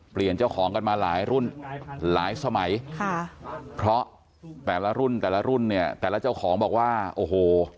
เจ้าของกันมาหลายรุ่นหลายสมัยค่ะเพราะแต่ละรุ่นแต่ละรุ่นเนี่ยแต่ละเจ้าของบอกว่าโอ้โห